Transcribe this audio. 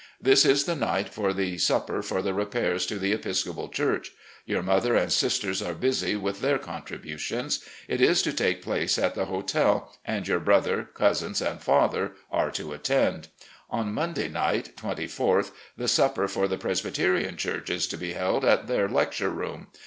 This is the night for the supper for the repairs to the Episcopal church. Your mother and sisters are busy with their contributions. It is to take place at the hotel, and your brother, cousins, and father are to attend. On Monday night (24th), the supper for the Presb5rterian church is to be held at their lecture room.